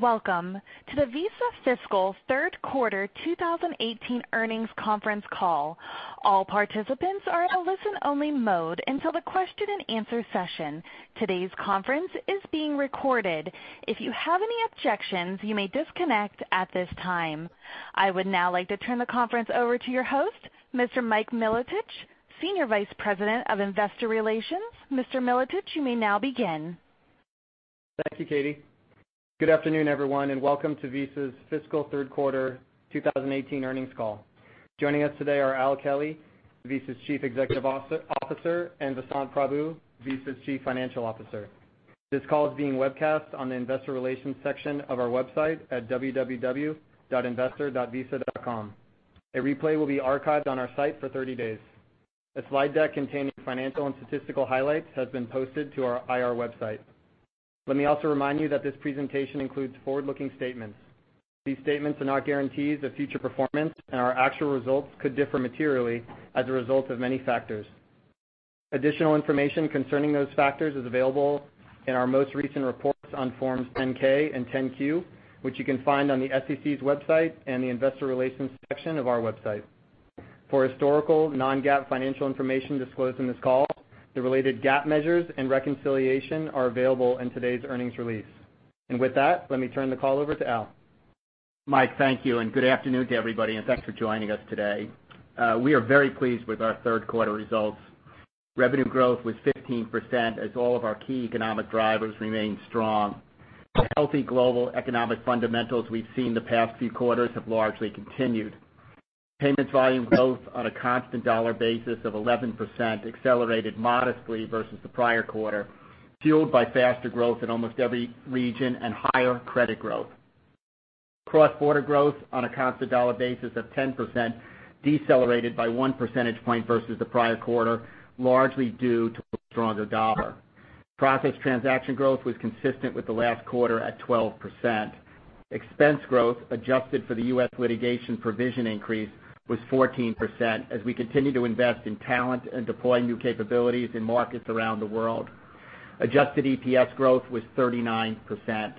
Welcome to the Visa fiscal third quarter 2018 earnings conference call. All participants are in a listen-only mode until the question and answer session. Today's conference is being recorded. If you have any objections, you may disconnect at this time. I would now like to turn the conference over to your host, Mr. Mike Miletic, Senior Vice President of Investor Relations. Mr. Miletic, you may now begin. Thank you, Katie. Good afternoon, everyone, welcome to Visa's fiscal third quarter 2018 earnings call. Joining us today are Al Kelly, Visa's Chief Executive Officer, and Vasant Prabhu, Visa's Chief Financial Officer. This call is being webcast on the investor relations section of our website at www.investor.visa.com. A replay will be archived on our site for 30 days. A slide deck containing financial and statistical highlights has been posted to our IR website. Let me also remind you that this presentation includes forward-looking statements. These statements are not guarantees of future performance, our actual results could differ materially as a result of many factors. Additional information concerning those factors is available in our most recent reports on forms 10-K and 10-Q, which you can find on the SEC's website and the investor relations section of our website. For historical non-GAAP financial information disclosed in this call, the related GAAP measures and reconciliation are available in today's earnings release. With that, let me turn the call over to Al. Mike, thank you, good afternoon to everybody, thanks for joining us today. We are very pleased with our third quarter results. Revenue growth was 15% as all of our key economic drivers remained strong. The healthy global economic fundamentals we've seen the past few quarters have largely continued. Payments volume growth on a constant dollar basis of 11% accelerated modestly versus the prior quarter, fueled by faster growth in almost every region and higher credit growth. Cross-border growth on a constant dollar basis of 10% decelerated by one percentage point versus the prior quarter, largely due to a stronger dollar. Processed transaction growth was consistent with the last quarter at 12%. Expense growth, adjusted for the U.S. litigation provision increase, was 14% as we continue to invest in talent and deploy new capabilities in markets around the world. Adjusted EPS growth was 39%.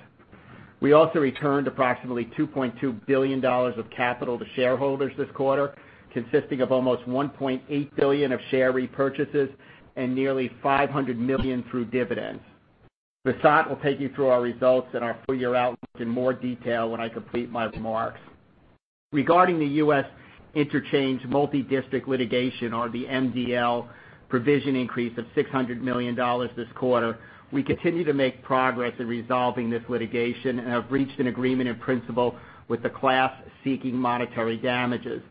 We also returned approximately $2.2 billion of capital to shareholders this quarter, consisting of almost $1.8 billion of share repurchases and nearly $500 million through dividends. Vasant will take you through our results and our full-year outlook in more detail when I complete my remarks. Regarding the U.S. interchange multi-district litigation, or the MDL, provision increase of $600 million this quarter, we continue to make progress in resolving this litigation and have reached an agreement in principle with the class seeking monetary damages.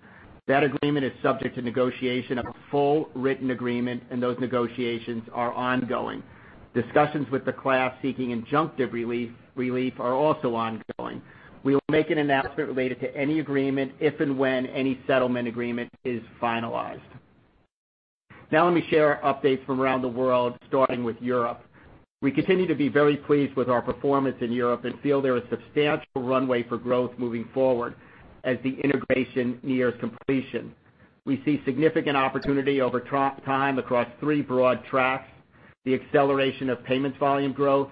That agreement is subject to negotiation of a full written agreement, and those negotiations are ongoing. Discussions with the class seeking injunctive relief are also ongoing. We will make an announcement related to any agreement if and when any settlement agreement is finalized. Let me share our updates from around the world, starting with Europe. We continue to be very pleased with our performance in Europe and feel there is substantial runway for growth moving forward as the integration nears completion. We see significant opportunity over time across three broad tracks, the acceleration of payments volume growth,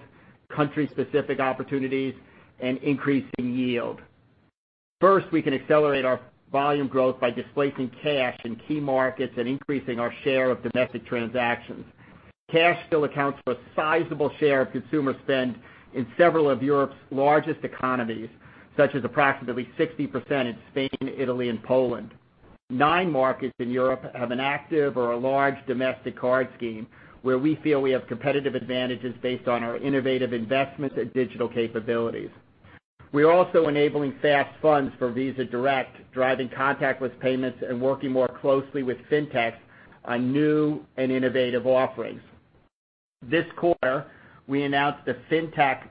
country-specific opportunities, and increasing yield. First, we can accelerate our volume growth by displacing cash in key markets and increasing our share of domestic transactions. Cash still accounts for a sizable share of consumer spend in several of Europe's largest economies, such as approximately 60% in Spain, Italy, and Poland. Nine markets in Europe have an active or a large domestic card scheme where we feel we have competitive advantages based on our innovative investments in digital capabilities. We are also enabling Fast Funds for Visa Direct, driving contactless payments, and working more closely with fintechs on new and innovative offerings. This quarter, we announced the Fintech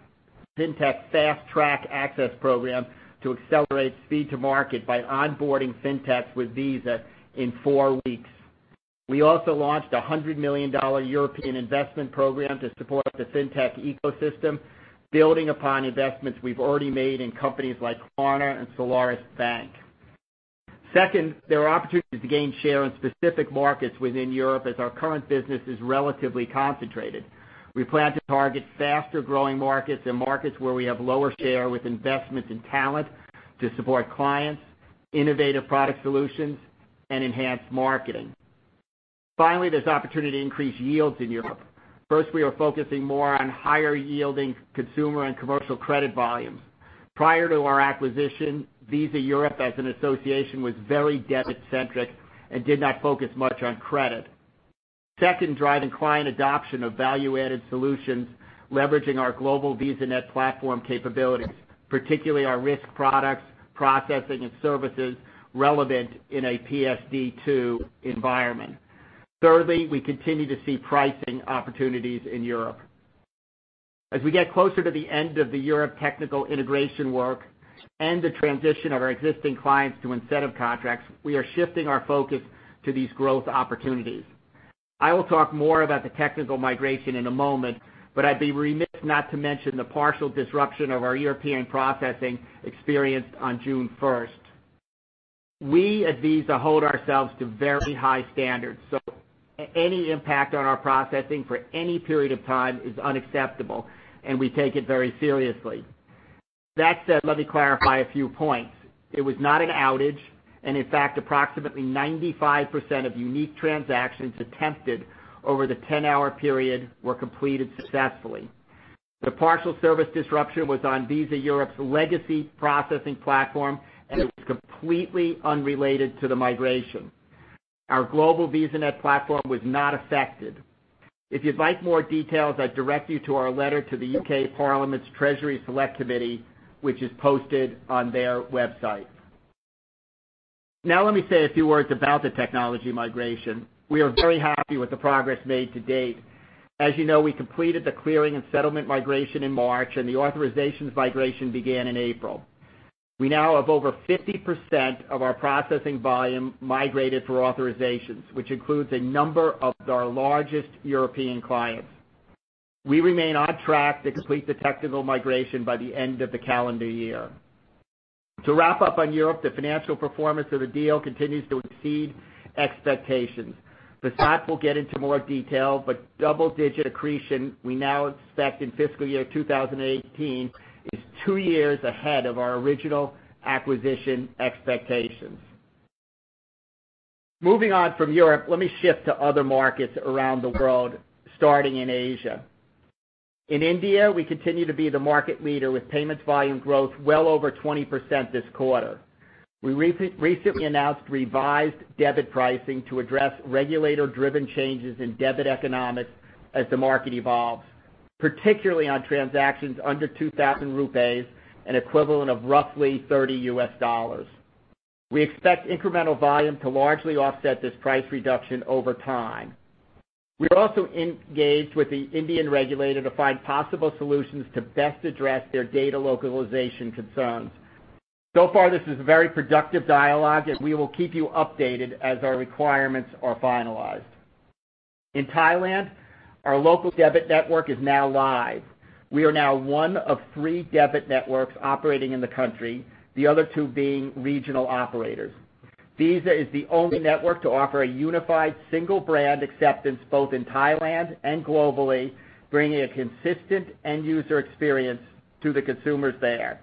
Fast Track Access program to accelerate speed to market by onboarding fintechs with Visa in four weeks. We also launched a $100 million European investment program to support the fintech ecosystem, building upon investments we have already made in companies like Klarna and Solarisbank. Second, there are opportunities to gain share in specific markets within Europe as our current business is relatively concentrated. We plan to target faster-growing markets and markets where we have lower share with investments in talent to support clients, innovative product solutions, and enhanced marketing. Finally, there is opportunity to increase yields in Europe. First, we are focusing more on higher-yielding consumer and commercial credit volumes. Prior to our acquisition, Visa Europe as an association was very debit-centric and did not focus much on credit. Second, driving client adoption of value-added solutions leveraging our global VisaNet platform capabilities, particularly our risk products, processing, and services relevant in a PSD2 environment. Thirdly, we continue to see pricing opportunities in Europe. As we get closer to the end of the Europe technical integration work and the transition of our existing clients to incentive contracts, we are shifting our focus to these growth opportunities. I will talk more about the technical migration in a moment, but I would be remiss not to mention the partial disruption of our European processing experienced on June 1st. We at Visa hold ourselves to very high standards, any impact on our processing for any period of time is unacceptable, and we take it very seriously. That said, let me clarify a few points. It was not an outage, in fact, approximately 95% of unique transactions attempted over the 10-hour period were completed successfully. The partial service disruption was on Visa Europe's legacy processing platform, and it was completely unrelated to the migration. Our global VisaNet platform was not affected. If you'd like more details, I'd direct you to our letter to the UK Parliament's Treasury Select Committee, which is posted on their website. Let me say a few words about the technology migration. We are very happy with the progress made to date. As you know, we completed the clearing and settlement migration in March, and the authorizations migration began in April. We now have over 50% of our processing volume migrated through authorizations, which includes a number of our largest European clients. We remain on track to complete the technical migration by the end of the calendar year. To wrap up on Europe, the financial performance of the deal continues to exceed expectations. Vasant will get into more detail, but double-digit accretion we now expect in fiscal year 2018 is two years ahead of our original acquisition expectations. Moving on from Europe, let me shift to other markets around the world, starting in Asia. In India, we continue to be the market leader with payments volume growth well over 20% this quarter. We recently announced revised debit pricing to address regulator-driven changes in debit economics as the market evolves, particularly on transactions under 2,000 rupees, an equivalent of roughly $30. We expect incremental volume to largely offset this price reduction over time. We are also engaged with the Indian regulator to find possible solutions to best address their data localization concerns. So far, this is a very productive dialogue, we will keep you updated as our requirements are finalized. In Thailand, our local debit network is now live. We are now one of three debit networks operating in the country, the other two being regional operators. Visa is the only network to offer a unified single-brand acceptance both in Thailand and globally, bringing a consistent end-user experience to the consumers there.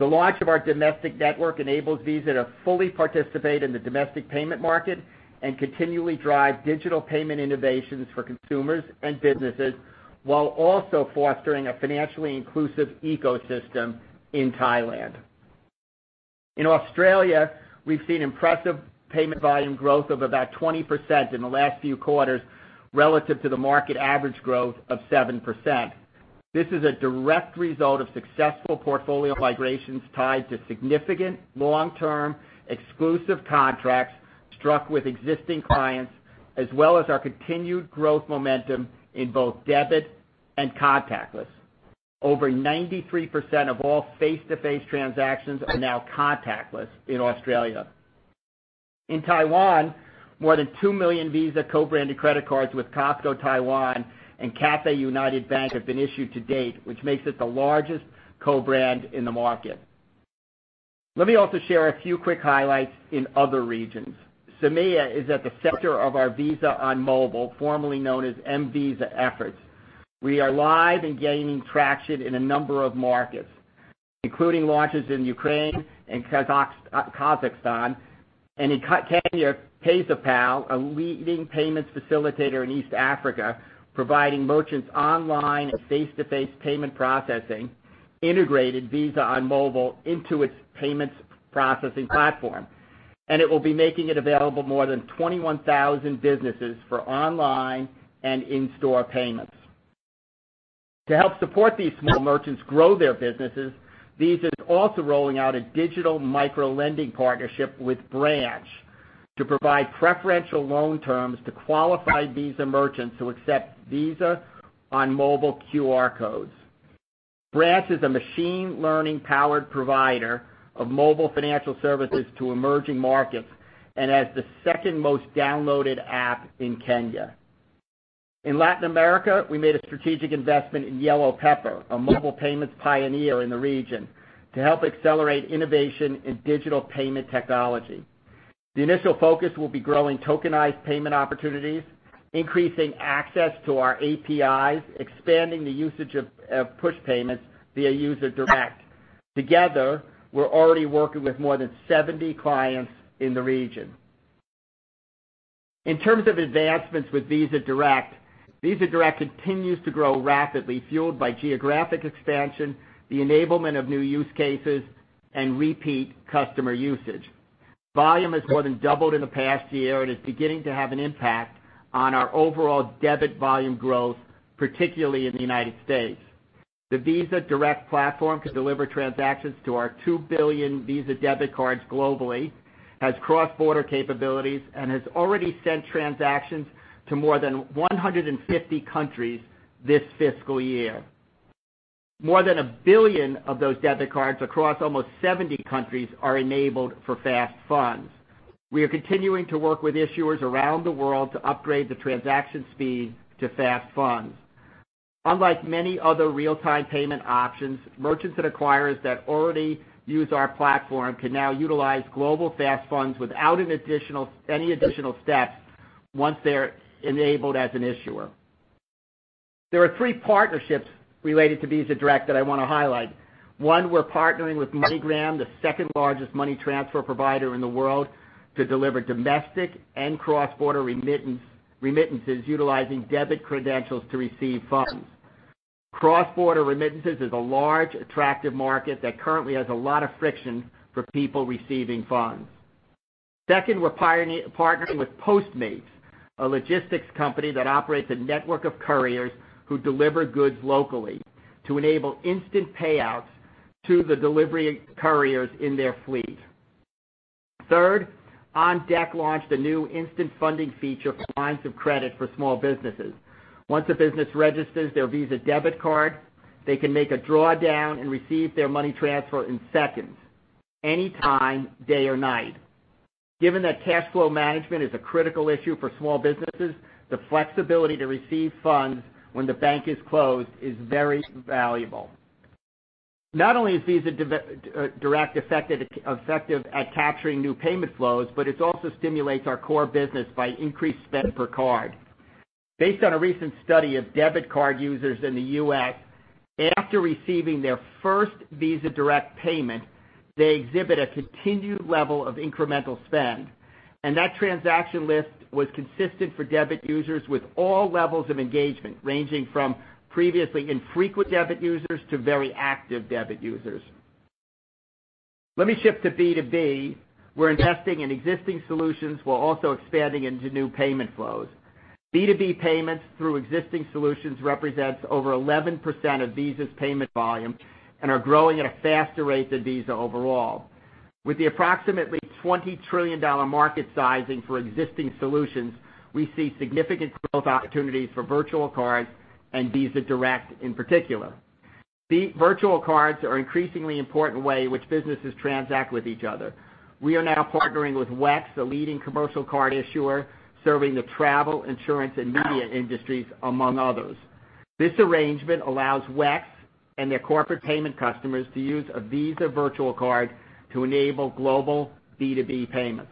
The launch of our domestic network enables Visa to fully participate in the domestic payment market and continually drive digital payment innovations for consumers and businesses while also fostering a financially inclusive ecosystem in Thailand. In Australia, we've seen impressive payment volume growth of about 20% in the last few quarters relative to the market average growth of 7%. This is a direct result of successful portfolio migrations tied to significant long-term exclusive contracts struck with existing clients, as well as our continued growth momentum in both debit and contactless. Over 93% of all face-to-face transactions are now contactless in Australia. In Taiwan, more than 2 million Visa co-branded credit cards with Costco Taiwan and Cathay United Bank have been issued to date, which makes it the largest co-brand in the market. Let me also share a few quick highlights in other regions. CEMEA is at the center of our Visa on Mobile, formerly known as mVisa efforts. We are live and gaining traction in a number of markets, including launches in Ukraine and Kazakhstan. In Kenya, Pesapal, a leading payments facilitator in East Africa, providing merchants online and face-to-face payment processing, integrated Visa on Mobile into its payments processing platform, and it will be making it available more than 21,000 businesses for online and in-store payments. To help support these small merchants grow their businesses, Visa is also rolling out a digital micro-lending partnership with Branch to provide preferential loan terms to qualified Visa merchants who accept Visa on Mobile QR Codes. Branch is a machine learning-powered provider of mobile financial services to emerging markets and has the second-most downloaded app in Kenya. In Latin America, we made a strategic investment in YellowPepper, a mobile payments pioneer in the region, to help accelerate innovation in digital payment technology. The initial focus will be growing tokenized payment opportunities, increasing access to our APIs, expanding the usage of push payments via Visa Direct. Together, we're already working with more than 70 clients in the region. In terms of advancements with Visa Direct, Visa Direct continues to grow rapidly, fueled by geographic expansion, the enablement of new use cases, and repeat customer usage. Volume has more than doubled in the past year and is beginning to have an impact on our overall debit volume growth, particularly in the U.S. The Visa Direct platform can deliver transactions to our 2 billion Visa debit cards globally, has cross-border capabilities, and has already sent transactions to more than 150 countries this fiscal year. More than 1 billion of those debit cards across almost 70 countries are enabled for Fast Funds. We are continuing to work with issuers around the world to upgrade the transaction speed to Fast Funds. Unlike many other real-time payment options, merchants and acquirers that already use our platform can now utilize Global Fast Funds without any additional steps once they're enabled as an issuer. There are three partnerships related to Visa Direct that I want to highlight. One, we're partnering with MoneyGram, the second largest money transfer provider in the world, to deliver domestic and cross-border remittances utilizing debit credentials to receive funds. Cross-border remittances is a large, attractive market that currently has a lot of friction for people receiving funds. Second, we're partnering with Postmates, a logistics company that operates a network of couriers who deliver goods locally to enable instant payouts to the delivery couriers in their fleet. Third, OnDeck launched a new instant funding feature for lines of credit for small businesses. Once a business registers their Visa debit card, they can make a drawdown and receive their money transfer in seconds, any time, day or night. Given that cash flow management is a critical issue for small businesses, the flexibility to receive funds when the bank is closed is very valuable. Not only is Visa Direct effective at capturing new payment flows, but it also stimulates our core business by increased spend per card. Based on a recent study of debit card users in the U.S., after receiving their first Visa Direct payment, they exhibit a continued level of incremental spend, and that transaction list was consistent for debit users with all levels of engagement, ranging from previously infrequent debit users to very active debit users. Let me shift to B2B. We're investing in existing solutions while also expanding into new payment flows. B2B payments through existing solutions represents over 11% of Visa's payment volume and are growing at a faster rate than Visa overall. With the approximately $20 trillion market sizing for existing solutions, we see significant growth opportunities for virtual cards and Visa Direct in particular. Virtual cards are an increasingly important way in which businesses transact with each other. We are now partnering with WEX, a leading commercial card issuer serving the travel, insurance, and media industries, among others. This arrangement allows WEX and their corporate payment customers to use a Visa virtual card to enable global B2B payments.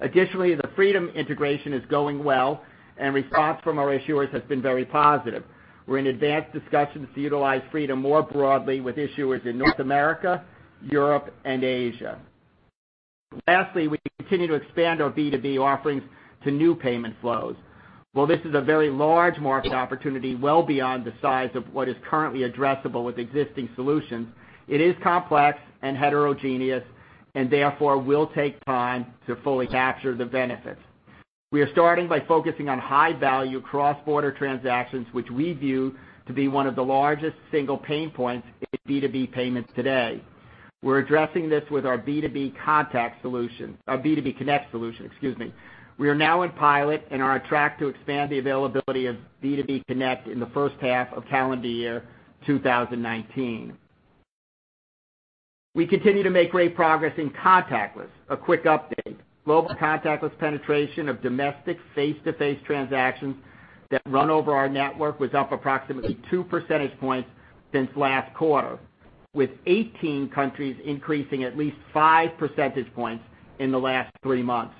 Additionally, the Fraedom integration is going well, and response from our issuers has been very positive. We're in advanced discussions to utilize Fraedom more broadly with issuers in North America, Europe, and Asia. Lastly, we continue to expand our B2B offerings to new payment flows. While this is a very large market opportunity well beyond the size of what is currently addressable with existing solutions, it is complex and heterogeneous and therefore will take time to fully capture the benefits. We are starting by focusing on high-value cross-border transactions, which we view to be one of the largest single pain points in B2B payments today. We're addressing this with our B2B Connect solution. We are now in pilot and are on track to expand the availability of B2B Connect in the first half of calendar year 2019. We continue to make great progress in contactless. A quick update. Global contactless penetration of domestic face-to-face transactions that run over our network was up approximately two percentage points since last quarter, with 18 countries increasing at least five percentage points in the last three months.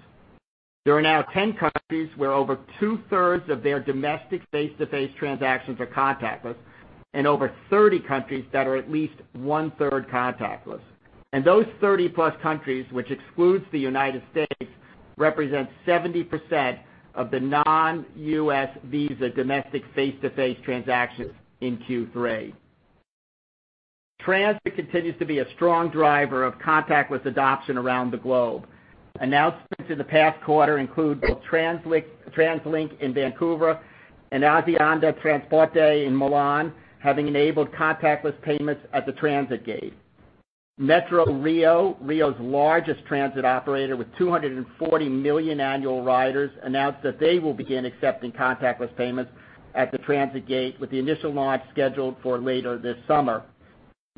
There are now 10 countries where over two-thirds of their domestic face-to-face transactions are contactless and over 30 countries that are at least one-third contactless. Those 30-plus countries, which excludes the U.S., represent 70% of the non-U.S. Visa domestic face-to-face transactions in Q3. Transit continues to be a strong driver of contactless adoption around the globe. Announcements in the past quarter include both TransLink in Vancouver and Azienda Trasporti in Milan having enabled contactless payments at the transit gate. MetrôRio, Rio's largest transit operator with 240 million annual riders, announced that they will begin accepting contactless payments at the transit gate, with the initial launch scheduled for later this summer.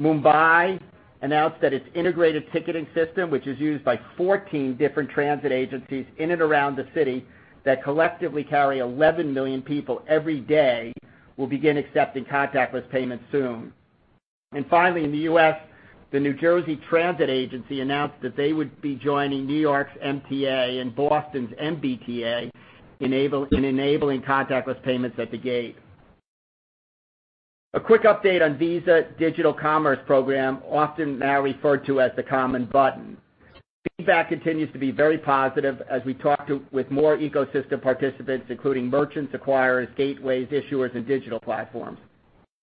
Mumbai announced that its integrated ticketing system, which is used by 14 different transit agencies in and around the city that collectively carry 11 million people every day, will begin accepting contactless payments soon. Finally, in the U.S., the NJ Transit announced that they would be joining New York's MTA and Boston's MBTA in enabling contactless payments at the gate. A quick update on Visa Digital Commerce Program, often now referred to as the common button. Feedback continues to be very positive as we talk with more ecosystem participants, including merchants, acquirers, gateways, issuers, and digital platforms.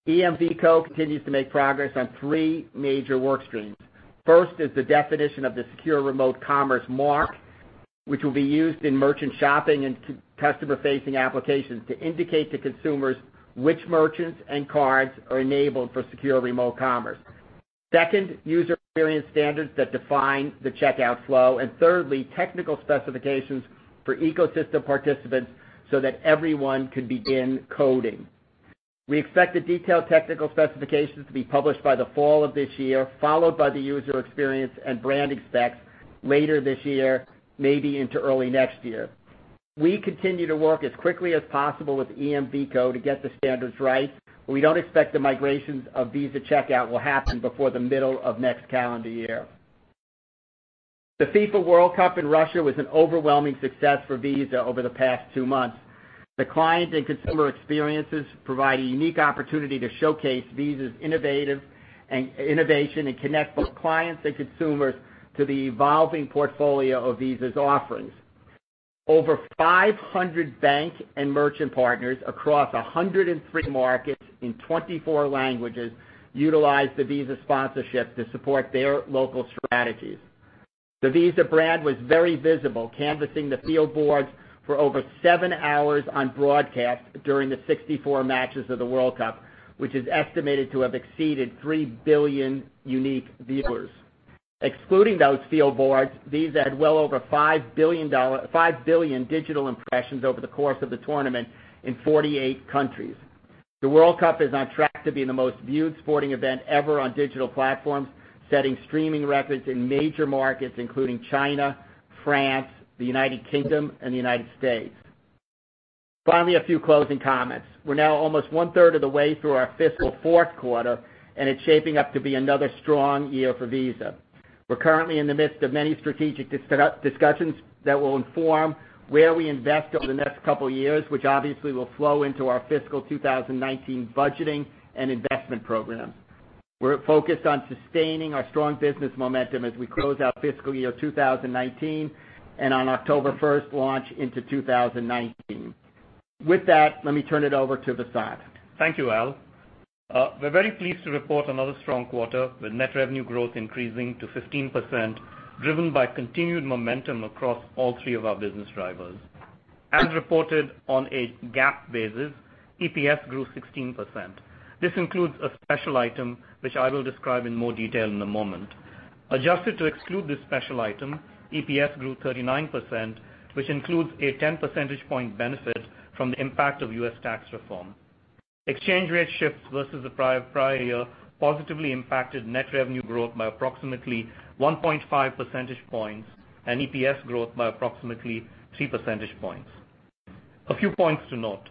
EMVCo continues to make progress on three major workstreams. First is the definition of the Secure Remote Commerce mark, which will be used in merchant shopping and customer-facing applications to indicate to consumers which merchants and cards are enabled for Secure Remote Commerce. Second, user experience standards that define the checkout flow. Thirdly, technical specifications for ecosystem participants so that everyone can begin coding. We expect the detailed technical specifications to be published by the fall of this year, followed by the user experience and branding specs later this year, maybe into early next year. We continue to work as quickly as possible with EMVCo to get the standards right. We don't expect the migrations of Visa Checkout will happen before the middle of next calendar year. The FIFA World Cup in Russia was an overwhelming success for Visa over the past two months. The client and consumer experiences provide a unique opportunity to showcase Visa's innovation and connect both clients and consumers to the evolving portfolio of Visa's offerings. Over 500 bank and merchant partners across 103 markets in 24 languages utilized the Visa sponsorship to support their local strategies. The Visa brand was very visible, canvassing the field boards for over seven hours on broadcast during the 64 matches of the World Cup, which is estimated to have exceeded 3 billion unique viewers. Excluding those field boards, Visa had well over 5 billion digital impressions over the course of the tournament in 48 countries. The World Cup is on track to be the most viewed sporting event ever on digital platforms, setting streaming records in major markets including China, France, the United Kingdom, and the United States. Finally, a few closing comments. We're now almost one-third of the way through our fiscal fourth quarter. It's shaping up to be another strong year for Visa. We're currently in the midst of many strategic discussions that will inform where we invest over the next couple of years, which obviously will flow into our fiscal 2019 budgeting and investment program. We're focused on sustaining our strong business momentum as we close out fiscal year 2019. On October 1st, launch into 2019. With that, let me turn it over to Vasant. Thank you, Al. We're very pleased to report another strong quarter, with net revenue growth increasing to 15%, driven by continued momentum across all three of our business drivers. As reported on a GAAP basis, EPS grew 16%. This includes a special item, which I will describe in more detail in a moment. Adjusted to exclude this special item, EPS grew 39%, which includes a 10 percentage point benefit from the impact of U.S. tax reform. Exchange rate shifts versus the prior year positively impacted net revenue growth by approximately 1.5 percentage points and EPS growth by approximately three percentage points. A few points to note.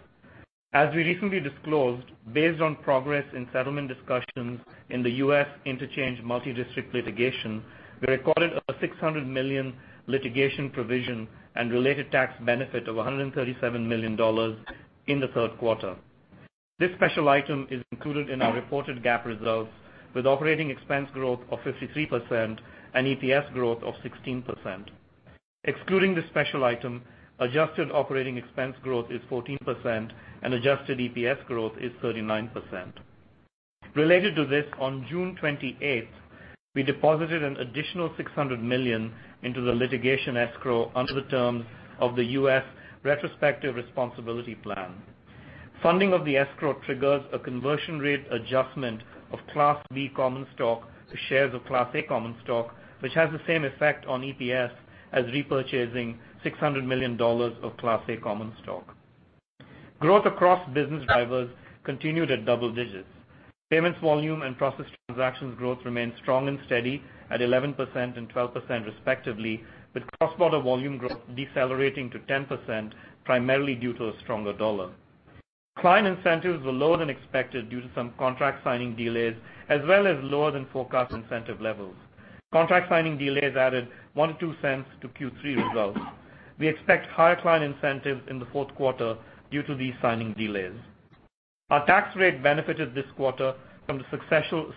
As we recently disclosed, based on progress in settlement discussions in the U.S. interchange multi-district litigation, we recorded a $600 million litigation provision and related tax benefit of $137 million in the third quarter. This special item is included in our reported GAAP results, with operating expense growth of 53% and EPS growth of 16%. Excluding this special item, adjusted operating expense growth is 14% and adjusted EPS growth is 39%. Related to this, on June 28th, we deposited an additional $600 million into the litigation escrow under the terms of the U.S. Retrospective Responsibility Plan. Funding of the escrow triggers a conversion rate adjustment of Class B common stock to shares of Class A common stock, which has the same effect on EPS as repurchasing $600 million of Class A common stock. Growth across business drivers continued at double digits. Payments volume and processed transactions growth remained strong and steady at 11% and 12% respectively, with cross-border volume growth decelerating to 10%, primarily due to a stronger dollar. Client incentives were lower than expected due to some contract signing delays, as well as lower than forecast incentive levels. Contract signing delays added $0.01-$0.02 to Q3 results. We expect higher client incentives in the fourth quarter due to these signing delays. Our tax rate benefited this quarter from the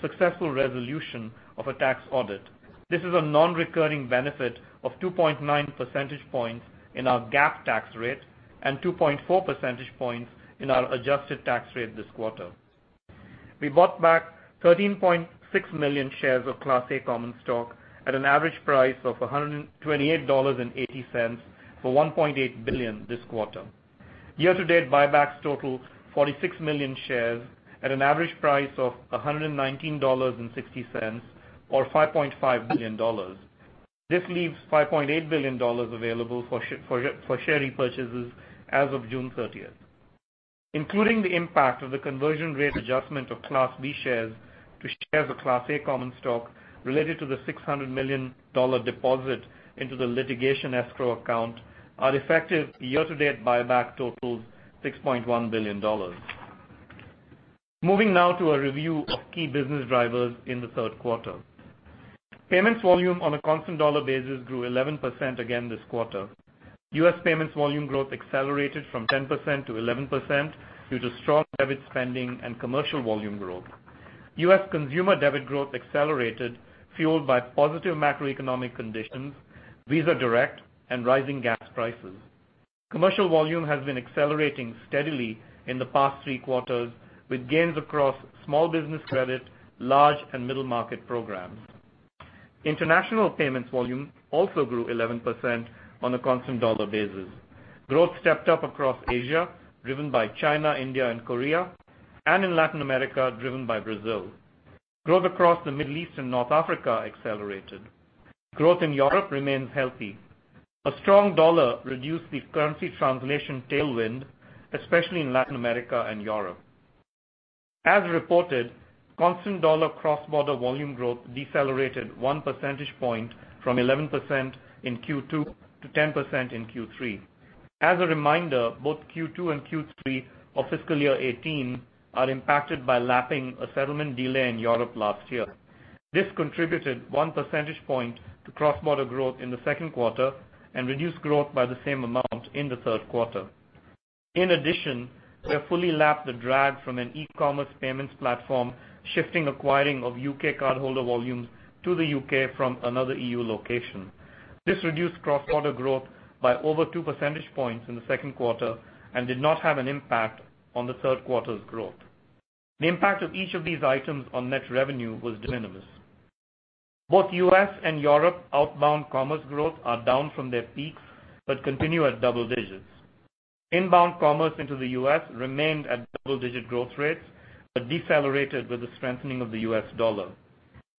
successful resolution of a tax audit. This is a non-recurring benefit of 2.9 percentage points in our GAAP tax rate and 2.4 percentage points in our adjusted tax rate this quarter. We bought back 13.6 million shares of Class A common stock at an average price of $128.80 for $1.8 billion this quarter. Year-to-date buybacks total 46 million shares at an average price of $119.60, or $5.5 billion. This leaves $5.8 billion available for share repurchases as of June 30th. Including the impact of the conversion rate adjustment of Class B shares to shares of Class A common stock related to the $600 million deposit into the litigation escrow account, our effective year-to-date buyback totals $6.1 billion. Moving now to a review of key business drivers in the third quarter. Payments volume on a constant dollar basis grew 11% again this quarter. U.S. payments volume growth accelerated from 10% to 11% due to strong debit spending and commercial volume growth. U.S. consumer debit growth accelerated, fueled by positive macroeconomic conditions, Visa Direct, and rising gas prices. Commercial volume has been accelerating steadily in the past three quarters, with gains across small business credit, large and middle-market programs. International payments volume also grew 11% on a constant dollar basis. Growth stepped up across Asia, driven by China, India, and Korea, and in Latin America, driven by Brazil. Growth across the Middle East and North Africa accelerated. Growth in Europe remains healthy. A strong dollar reduced the currency translation tailwind, especially in Latin America and Europe. As reported, constant dollar cross-border volume growth decelerated one percentage point from 11% in Q2 to 10% in Q3. As a reminder, both Q2 and Q3 of fiscal year 2018 are impacted by lapping a settlement delay in Europe last year. This contributed one percentage point to cross-border growth in the second quarter and reduced growth by the same amount in the third quarter. In addition, we have fully lapped the drag from an e-commerce payments platform shifting acquiring of U.K. cardholder volumes to the U.K. from another EU location. This reduced cross-border growth by over two percentage points in the second quarter and did not have an impact on the third quarter's growth. The impact of each of these items on net revenue was de minimis. Both U.S. and Europe outbound commerce growth are down from their peaks, but continue at double digits. Inbound commerce into the U.S. remained at double-digit growth rates but decelerated with the strengthening of the U.S. dollar.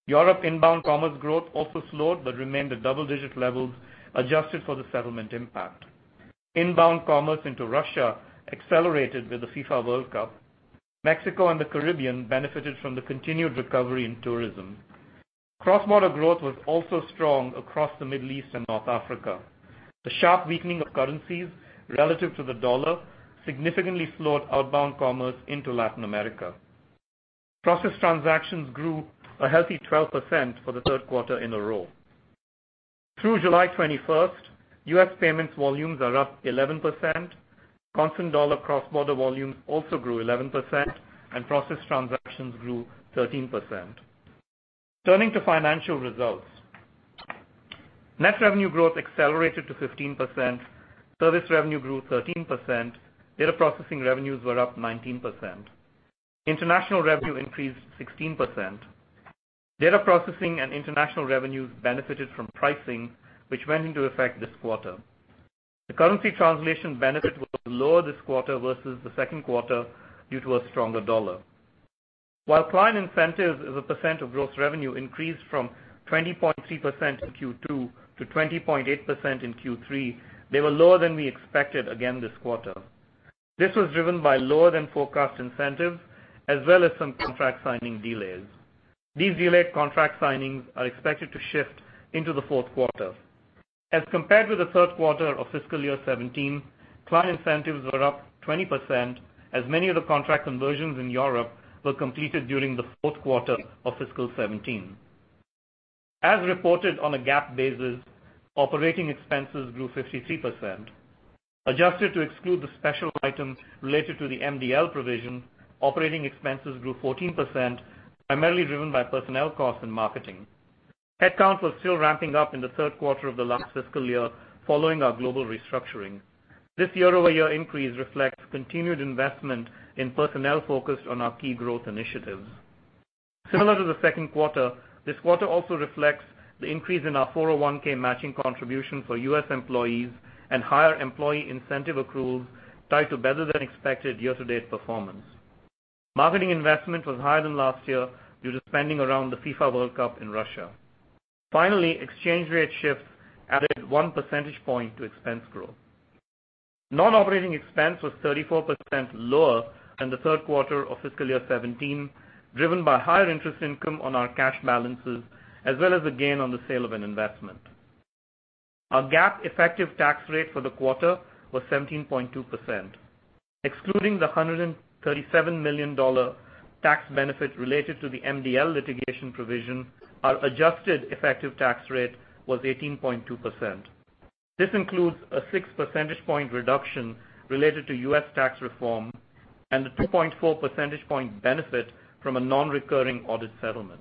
Europe inbound commerce growth also slowed but remained at double-digit levels, adjusted for the settlement impact. Inbound commerce into Russia accelerated with the FIFA World Cup. Mexico and the Caribbean benefited from the continued recovery in tourism. Cross-border growth was also strong across the Middle East and North Africa. The sharp weakening of currencies relative to the dollar significantly slowed outbound commerce into Latin America. Processed transactions grew a healthy 12% for the third quarter in a row. Through July 21st, U.S. payments volumes are up 11%, constant dollar cross-border volumes also grew 11%, and processed transactions grew 13%. Turning to financial results. Net revenue growth accelerated to 15%, service revenue grew 13%, data processing revenues were up 19%. International revenue increased 16%. Data processing and international revenues benefited from pricing, which went into effect this quarter. The currency translation benefit was lower this quarter versus the second quarter due to a stronger dollar. Client incentives as a percent of gross revenue increased from 20.3% in Q2 to 20.8% in Q3, they were lower than we expected again this quarter. This was driven by lower than forecast incentives as well as some contract signing delays. These delayed contract signings are expected to shift into the fourth quarter. As compared with the third quarter of fiscal year 2017, client incentives were up 20% as many of the contract conversions in Europe were completed during the fourth quarter of fiscal 2017. As reported on a GAAP basis, operating expenses grew 53%. Adjusted to exclude the special items related to the MDL provision, operating expenses grew 14%, primarily driven by personnel costs and marketing. Headcount was still ramping up in the third quarter of the last fiscal year following our global restructuring. This year-over-year increase reflects continued investment in personnel focused on our key growth initiatives. Similar to the second quarter, this quarter also reflects the increase in our 401(k) matching contribution for U.S. employees and higher employee incentive accruals tied to better than expected year-to-date performance. Marketing investment was higher than last year due to spending around the FIFA World Cup in Russia. Exchange rate shifts added one percentage point to expense growth. Non-operating expense was 34% lower than the third quarter of fiscal year 2017, driven by higher interest income on our cash balances as well as a gain on the sale of an investment. Our GAAP effective tax rate for the quarter was 17.2%. Excluding the $137 million tax benefit related to the MDL litigation provision, our adjusted effective tax rate was 18.2%. This includes a six percentage point reduction related to U.S. tax reform and a 2.4 percentage point benefit from a non-recurring audit settlement.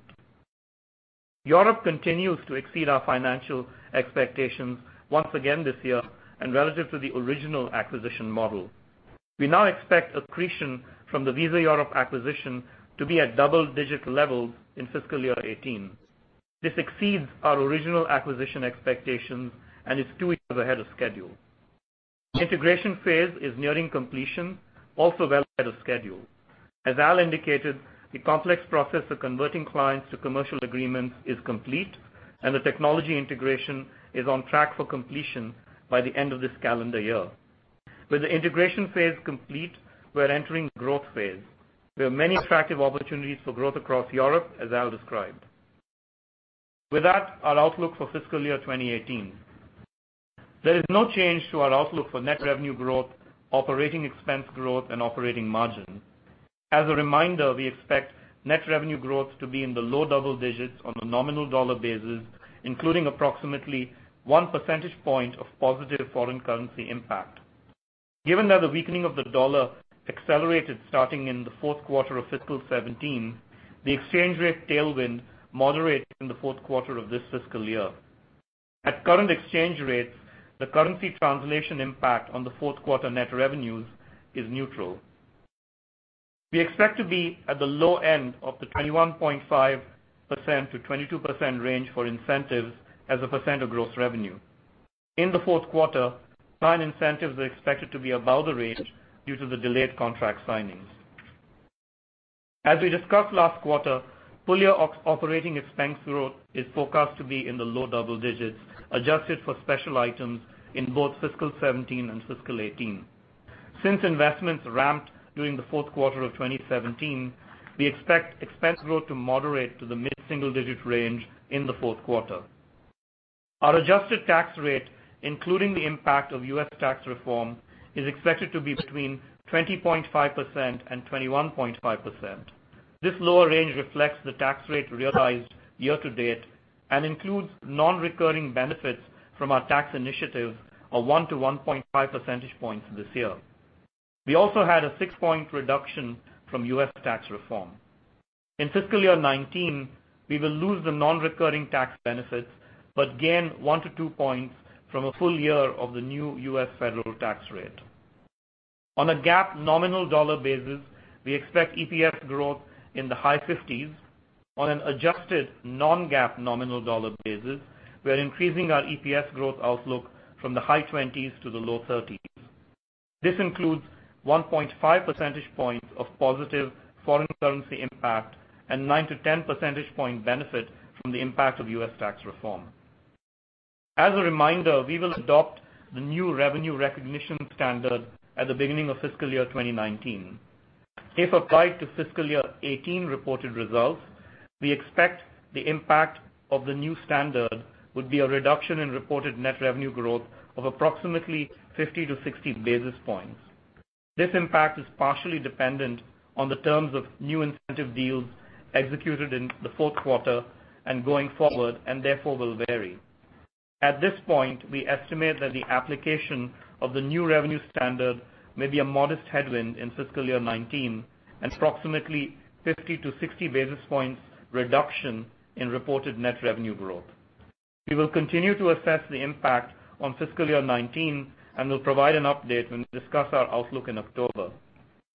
Europe continues to exceed our financial expectations once again this year and relative to the original acquisition model. We now expect accretion from the Visa Europe acquisition to be at double-digit levels in fiscal year 2018. This exceeds our original acquisition expectations and is two years ahead of schedule. The integration phase is nearing completion, also well ahead of schedule. As Al indicated, the complex process of converting clients to commercial agreements is complete, and the technology integration is on track for completion by the end of this calendar year. With the integration phase complete, we're entering the growth phase. There are many attractive opportunities for growth across Europe, as Al described. With that, our outlook for fiscal year 2018. There is no change to our outlook for net revenue growth, operating expense growth and operating margin. As a reminder, we expect net revenue growth to be in the low double digits on a nominal dollar basis, including approximately one percentage point of positive foreign currency impact. Given that the weakening of the dollar accelerated starting in the fourth quarter of fiscal 2017, the exchange rate tailwind moderated in the fourth quarter of this fiscal year. At current exchange rates, the currency translation impact on the fourth quarter net revenues is neutral. We expect to be at the low end of the 21.5%-22% range for incentives as a percent of gross revenue. In the fourth quarter, client incentives are expected to be above the range due to the delayed contract signings. As we discussed last quarter, full-year operating expense growth is forecast to be in the low double digits, adjusted for special items in both fiscal 2017 and fiscal 2018. Since investments ramped during the fourth quarter of 2017, we expect expense growth to moderate to the mid-single-digit range in the fourth quarter. Our adjusted tax rate, including the impact of U.S. tax reform, is expected to be between 20.5% and 21.5%. This lower range reflects the tax rate realized year-to-date and includes non-recurring benefits from our tax initiative of one to 1.5 percentage points this year. We also had a 6-point reduction from U.S. tax reform. In fiscal year 2019, we will lose the non-recurring tax benefits but gain 1 to 2 points from a full year of the new U.S. federal tax rate. On a GAAP nominal dollar basis, we expect EPS growth in the high 50s. On an adjusted non-GAAP nominal dollar basis, we are increasing our EPS growth outlook from the high 20s to the low 30s. This includes 1.5 percentage points of positive foreign currency impact and 9 to 10 percentage point benefit from the impact of U.S. tax reform. As a reminder, we will adopt the new revenue recognition standard at the beginning of fiscal year 2019. If applied to fiscal year 2018 reported results, we expect the impact of the new standard would be a reduction in reported net revenue growth of approximately 50-60 basis points. This impact is partially dependent on the terms of new incentive deals executed in the fourth quarter and going forward, and therefore will vary. At this point, we estimate that the application of the new revenue standard may be a modest headwind in fiscal year 2019, approximately 50-60 basis points reduction in reported net revenue growth. We will continue to assess the impact on fiscal year 2019 and will provide an update when we discuss our outlook in October.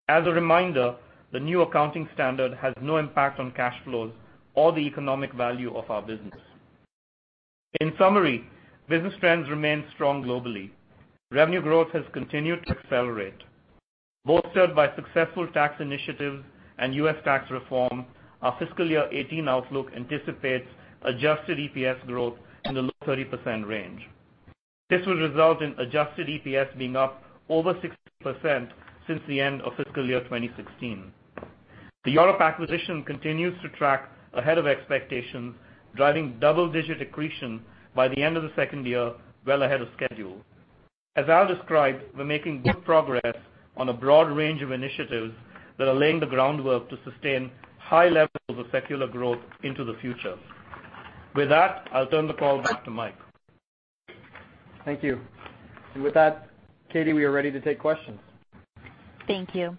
As a reminder, the new accounting standard has no impact on cash flows or the economic value of our business. In summary, business trends remain strong globally. Revenue growth has continued to accelerate, bolstered by successful tax initiatives and U.S. tax reform. Our fiscal year 2018 outlook anticipates adjusted EPS growth in the low 30% range. This will result in adjusted EPS being up over 60% since the end of fiscal year 2016. The Europe acquisition continues to track ahead of expectations, driving double-digit accretion by the end of the second year, well ahead of schedule. As Al described, we're making good progress on a broad range of initiatives that are laying the groundwork to sustain high levels of secular growth into the future. With that, I'll turn the call back to Mike. Thank you. With that, Katie, we are ready to take questions. Thank you.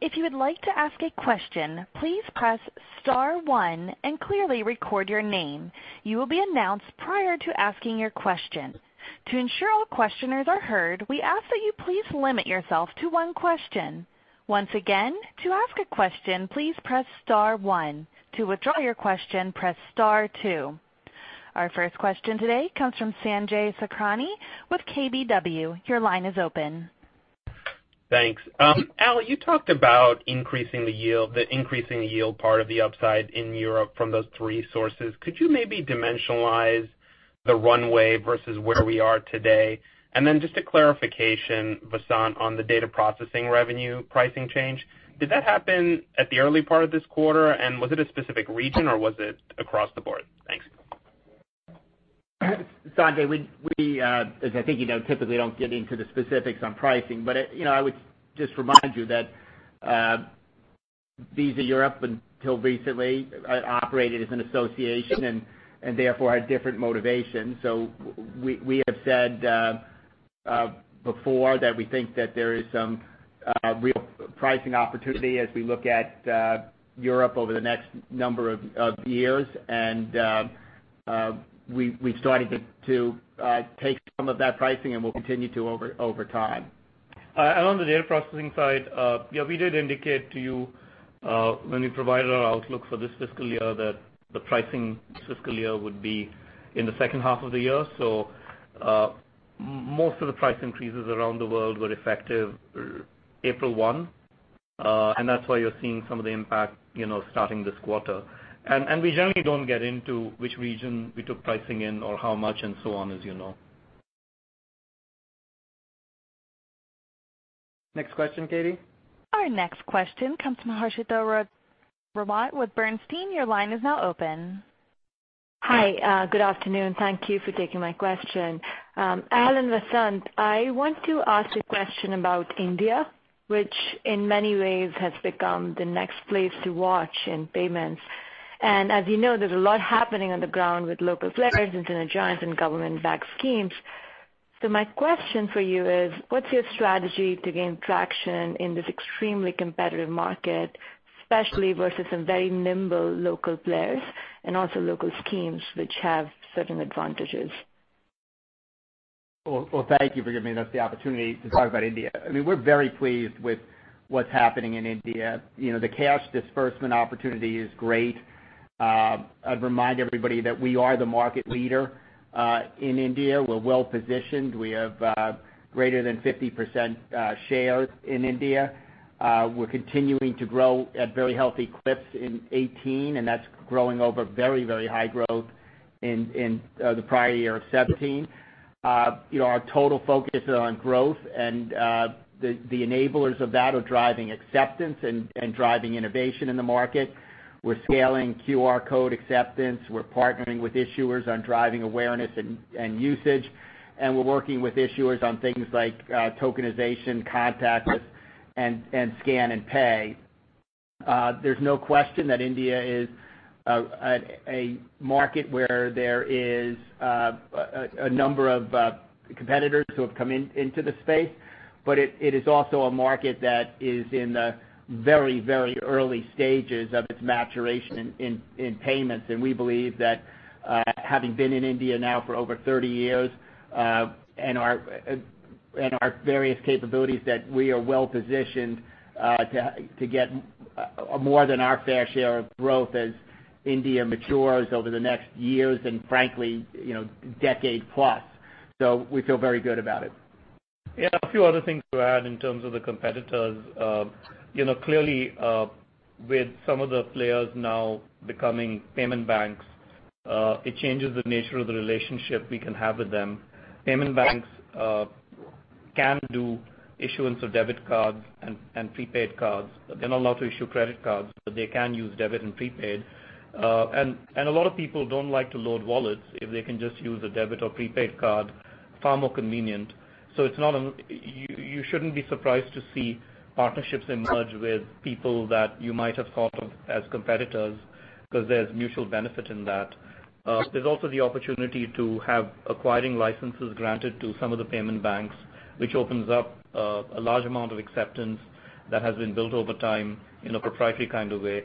If you would like to ask a question, please press *1 and clearly record your name. You will be announced prior to asking your question. To ensure all questioners are heard, we ask that you please limit yourself to one question. Once again, to ask a question, please press *1. To withdraw your question, press *2. Our first question today comes from Sanjay Sakhrani with KBW. Your line is open. Thanks. Al, you talked about increasing the yield part of the upside in Europe from those three sources. Could you maybe dimensionalize the runway versus where we are today? Then just a clarification, Vasant, on the data processing revenue pricing change. Did that happen at the early part of this quarter, and was it a specific region, or was it across the board? Thanks. Sanjay, as I think you know, typically don't get into the specifics on pricing. I would just remind you that Visa Europe, until recently, operated as an association and therefore had different motivations. We have said before that we think that there is some real pricing opportunity as we look at Europe over the next number of years. We've started to take some of that pricing and will continue to over time. On the data processing side, yeah, we did indicate to you when we provided our outlook for this fiscal year that the pricing this fiscal year would be in the second half of the year. Most of the price increases around the world were effective April 1, and that's why you're seeing some of the impact starting this quarter. We generally don't get into which region we took pricing in or how much and so on, as you know. Next question, Katie. Our next question comes from Harshita Rawat with Bernstein. Your line is now open. Hi. Good afternoon. Thank you for taking my question. Al and Vasant, I want to ask a question about India, which in many ways has become the next place to watch in payments. As you know, there's a lot happening on the ground with local players, internet giants, and government-backed schemes. My question for you is, what's your strategy to gain traction in this extremely competitive market, especially versus some very nimble local players and also local schemes which have certain advantages? Well, thank you for giving us the opportunity to talk about India. I mean, we're very pleased with what's happening in India. The cash disbursement opportunity is great. I'd remind everybody that we are the market leader in India. We're well-positioned. We have greater than 50% shares in India. We're continuing to grow at very healthy clips in 2018, and that's growing over very high growth in the prior year of 2017. Our total focus is on growth and the enablers of that are driving acceptance and driving innovation in the market. We're scaling QR Code acceptance. We're partnering with issuers on driving awareness and usage. We're working with issuers on things like tokenization, contactless, and scan and pay. There's no question that India is a market where there is a number of competitors who have come into the space, but it is also a market that is in the very early stages of its maturation in payments. We believe that having been in India now for over 30 years, and our various capabilities, that we are well-positioned to get more than our fair share of growth as India matures over the next years and frankly, decade plus. We feel very good about it. Yeah. A few other things to add in terms of the competitors. Clearly, with some of the players now becoming payment banks, it changes the nature of the relationship we can have with them. Payment banks can do issuance of debit cards and prepaid cards. They're not allowed to issue credit cards, but they can use debit and prepaid. A lot of people don't like to load wallets if they can just use a debit or prepaid card, far more convenient. You shouldn't be surprised to see partnerships emerge with people that you might have thought of as competitors because there's mutual benefit in that. There's also the opportunity to have acquiring licenses granted to some of the payment banks, which opens up a large amount of acceptance that has been built over time in a proprietary kind of way.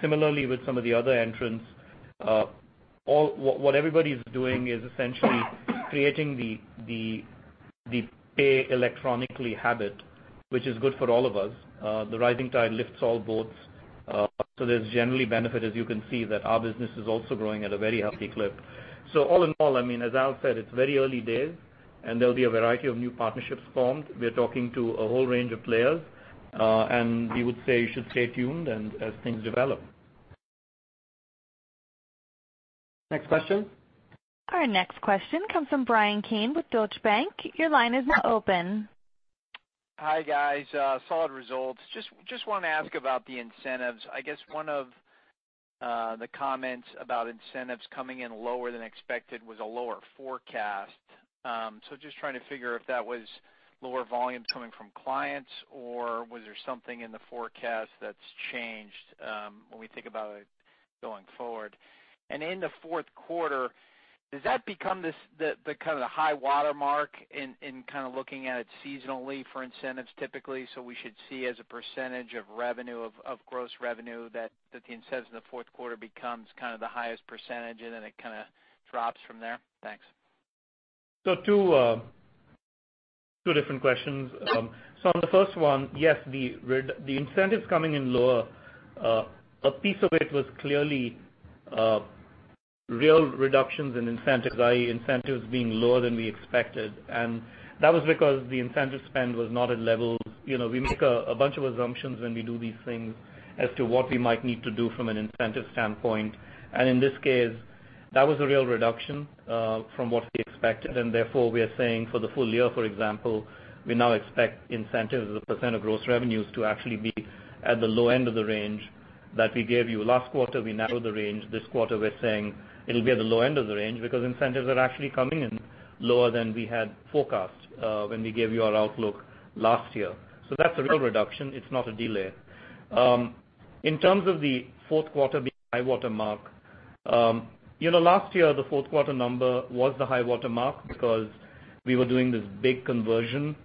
Similarly, with some of the other entrants, what everybody's doing is essentially creating the pay electronically habit, which is good for all of us. The rising tide lifts all boats. There's generally benefit, as you can see, that our business is also growing at a very healthy clip. All in all, as Al said, it's very early days and there'll be a variety of new partnerships formed. We're talking to a whole range of players. We would say you should stay tuned and as things develop. Next question. Our next question comes from Bryan Keane with Deutsche Bank. Your line is now open. Hi, guys. Solid results. Just want to ask about the incentives. I guess one of the comments about incentives coming in lower than expected was a lower forecast. Just trying to figure if that was lower volume coming from clients, or was there something in the forecast that's changed when we think about it going forward? In the fourth quarter, does that become the high water mark in looking at it seasonally for incentives typically? We should see as a percentage of gross revenue that the incentives in the fourth quarter becomes the highest percentage and then it drops from there? Thanks. Two different questions. On the first one, yes, the incentives coming in lower, a piece of it was clearly real reductions in incentives, i.e., incentives being lower than we expected. That was because the incentive spend was not at levels. We make a bunch of assumptions when we do these things as to what we might need to do from an incentive standpoint. In this case, that was a real reduction from what we expected, and therefore, we are saying for the full year, for example, we now expect incentives as a percent of gross revenues to actually be at the low end of the range that we gave you. Last quarter, we narrowed the range. This quarter, we're saying it'll be at the low end of the range because incentives are actually coming in lower than we had forecast when we gave you our outlook last year. That's a real reduction. It's not a delay. In terms of the fourth quarter being a high-water mark. Last year, the fourth quarter number was the high-water mark because we were doing this big conversion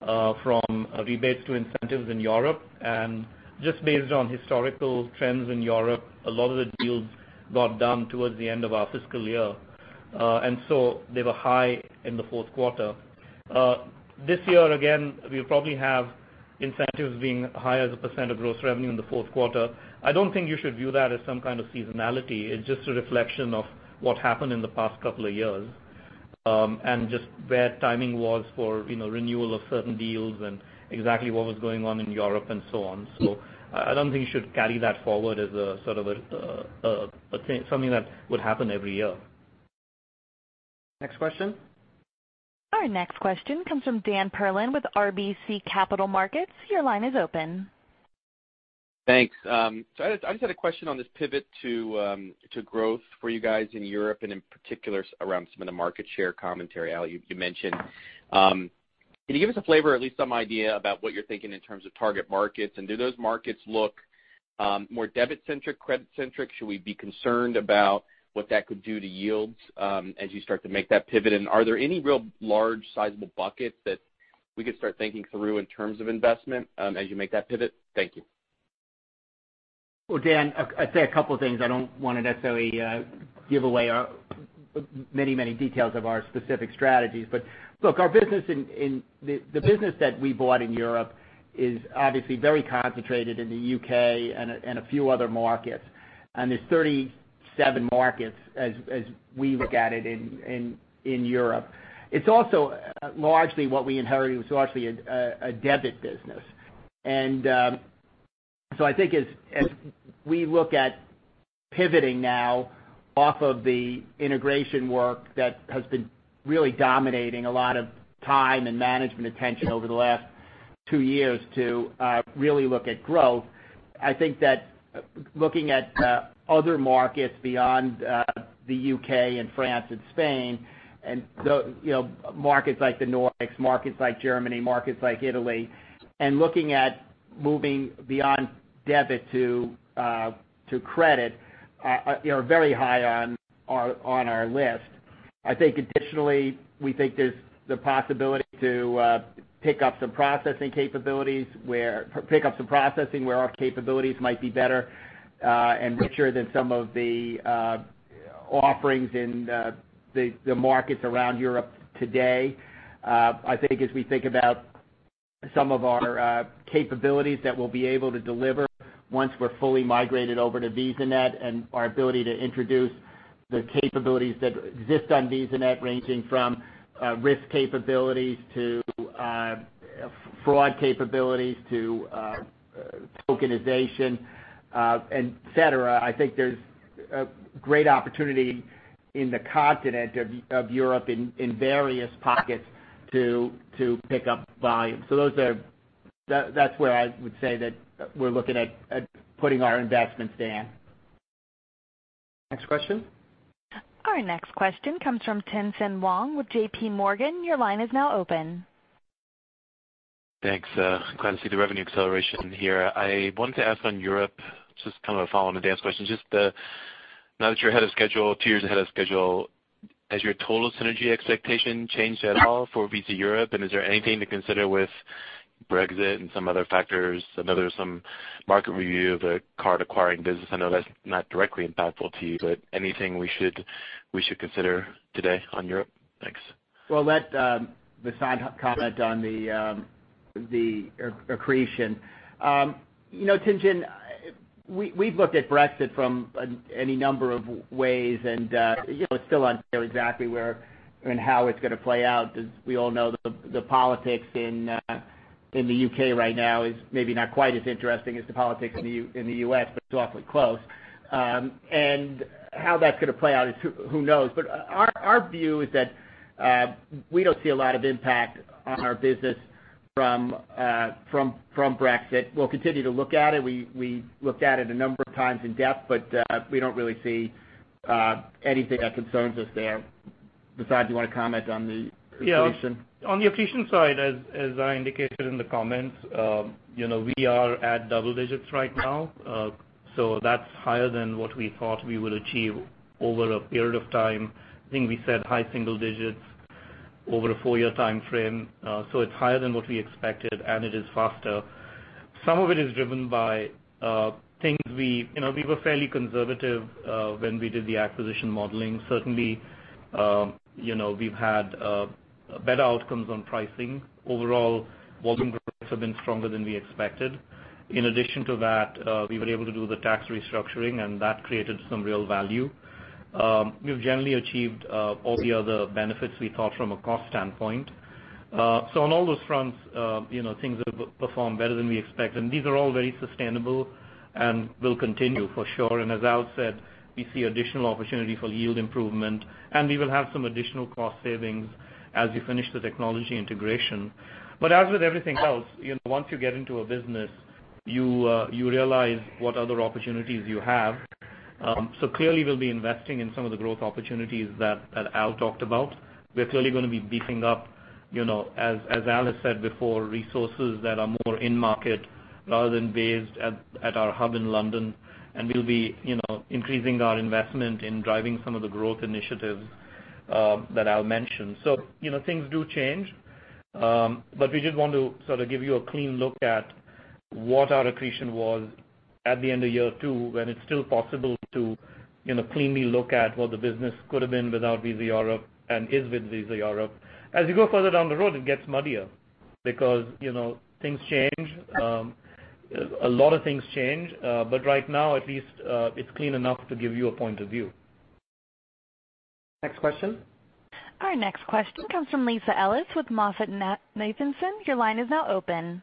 from rebates to incentives in Europe. Just based on historical trends in Europe, a lot of the deals got done towards the end of our fiscal year. They were high in the fourth quarter. This year, again, we'll probably have incentives being high as a percent of gross revenue in the fourth quarter. I don't think you should view that as some kind of seasonality. It's just a reflection of what happened in the past couple of years, and just where timing was for renewal of certain deals and exactly what was going on in Europe and so on. I don't think you should carry that forward as something that would happen every year. Next question. Our next question comes from Daniel Perlin with RBC Capital Markets. Your line is open. Thanks. I just had a question on this pivot to growth for you guys in Europe, and in particular around some of the market share commentary, Al, you mentioned. Can you give us a flavor, at least some idea about what you're thinking in terms of target markets, and do those markets look more debit-centric, credit-centric? Should we be concerned about what that could do to yields as you start to make that pivot? Are there any real large sizable buckets that we could start thinking through in terms of investment as you make that pivot? Thank you. Dan, I'd say a couple things. I don't want to necessarily give away many details of our specific strategies. Look, the business that we bought in Europe is obviously very concentrated in the U.K. and a few other markets. There's 37 markets as we look at it in Europe. It's also largely what we inherited, it was largely a debit business. I think as we look at pivoting now off of the integration work that has been really dominating a lot of time and management attention over the last two years to really look at growth, I think that looking at other markets beyond the U.K. and France and Spain, and markets like the Nordics, markets like Germany, markets like Italy, and looking at moving beyond debit to credit are very high on our list. I think additionally, we think there's the possibility to pick up some processing where our capabilities might be better and richer than some of the offerings in the markets around Europe today. I think as we think about some of our capabilities that we'll be able to deliver once we're fully migrated over to VisaNet and our ability to introduce the capabilities that exist on VisaNet, ranging from risk capabilities to fraud capabilities to tokenization, et cetera, I think there's a great opportunity in the continent of Europe in various pockets to pick up volume. That's where I would say that we're looking at putting our investments in. Next question. Our next question comes from Tien-Tsin Huang with J.P. Morgan. Your line is now open. Thanks. Glad to see the revenue acceleration here. I wanted to ask on Europe, just kind of a follow-on to Dan's question. Now that you're ahead of schedule, 2 years ahead of schedule, has your total synergy expectation changed at all for Visa Europe, and is there anything to consider with Brexit and some other factors, some market review of the card acquiring business? I know that's not directly impactful to you, but anything we should consider today on Europe? Thanks. I'll let Vasant comment on the accretion. Tien-Tsin, we've looked at Brexit from any number of ways, and it's still unclear exactly where and how it's going to play out, as we all know, the politics in the U.K. right now is maybe not quite as interesting as the politics in the U.S., but it's awfully close. How that's going to play out is, who knows? Our view is that we don't see a lot of impact on our business from Brexit. We'll continue to look at it. We looked at it a number of times in depth, but we don't really see anything that concerns us there. Vasant, do you want to comment on the accretion? Yeah. On the accretion side, as I indicated in the comments, we are at double digits right now. That's higher than what we thought we would achieve over a period of time. I think we said high single digits over a 4-year timeframe. It's higher than what we expected, and it is faster. Some of it is driven by things we were fairly conservative when we did the acquisition modeling. Certainly, we've had better outcomes on pricing. Overall, volume growths have been stronger than we expected. In addition to that, we were able to do the tax restructuring, and that created some real value. We've generally achieved all the other benefits we thought from a cost standpoint. On all those fronts, things have performed better than we expected. These are all very sustainable and will continue for sure. As Al said, we see additional opportunity for yield improvement, and we will have some additional cost savings as we finish the technology integration. As with everything else, once you get into a business, you realize what other opportunities you have. Clearly, we'll be investing in some of the growth opportunities that Al talked about. We're clearly going to be beefing up, as Al has said before, resources that are more in market rather than based at our hub in London. We'll be increasing our investment in driving some of the growth initiatives that Al mentioned. Things do change. We did want to sort of give you a clean look at what our accretion was at the end of year two, when it's still possible to cleanly look at what the business could've been without Visa Europe and is with Visa Europe. As you go further down the road, it gets muddier because things change. A lot of things change. Right now, at least it's clean enough to give you a point of view. Next question. Our next question comes from Lisa Ellis with MoffettNathanson. Your line is now open.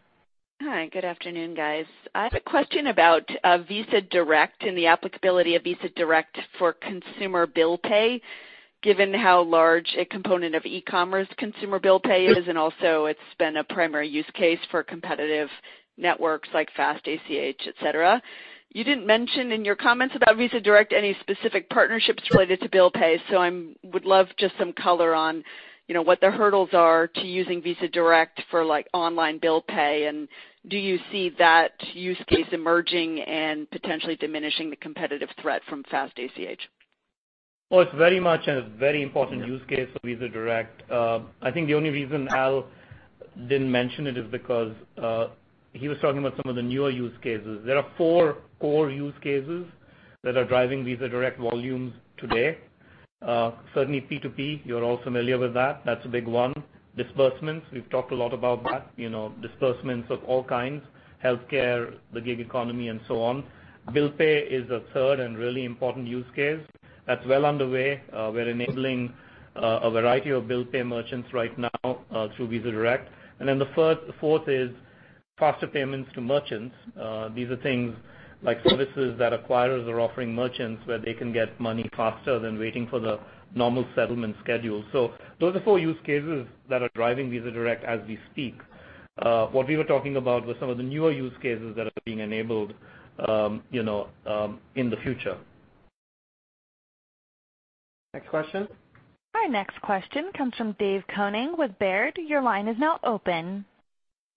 Hi, good afternoon, guys. I have a question about Visa Direct and the applicability of Visa Direct for consumer bill pay, given how large a component of e-commerce consumer bill pay is, and also it's been a primary use case for competitive networks like Fast ACH, et cetera. You didn't mention in your comments about Visa Direct any specific partnerships related to bill pay. I would love just some color on what the hurdles are to using Visa Direct for online bill pay, and do you see that use case emerging and potentially diminishing the competitive threat from Fast ACH? Well, it's very much a very important use case for Visa Direct. I think the only reason Al didn't mention it is because he was talking about some of the newer use cases. There are four core use cases that are driving Visa Direct volumes today. Certainly P2P, you're all familiar with that. That's a big one. Disbursement, we've talked a lot about that, disbursements of all kinds, healthcare, the gig economy, and so on. Bill pay is a third and really important use case. That's well underway. We're enabling a variety of bill pay merchants right now through Visa Direct. The fourth is faster payments to merchants. These are things like services that acquirers are offering merchants where they can get money faster than waiting for the normal settlement schedule. Those are four use cases that are driving Visa Direct as we speak. What we were talking about were some of the newer use cases that are being enabled in the future. Next question. Our next question comes from David Koning with Baird. Your line is now open.